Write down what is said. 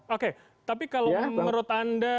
oke tapi kalau menurut anda